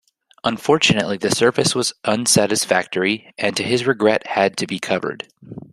Unfortunately the surface was unsatisfactory and, to his regret, had to be covered.